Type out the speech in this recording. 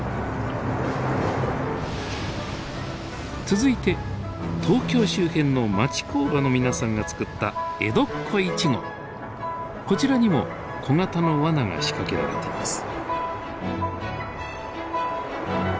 続いて東京周辺の町工場の皆さんが作ったこちらにも小型のワナが仕掛けられています。